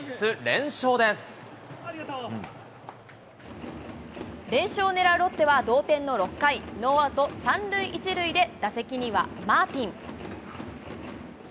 連勝をねらうロッテは同点の６回、ノーアウト３塁１塁で、打席にはマーティン。